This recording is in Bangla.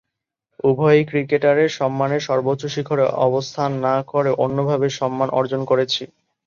উভয়েই ক্রিকেটারের সম্মানের সর্বোচ্চ শিখরে অবস্থান না করেও অন্যভাবে সম্মান অর্জন করেছি।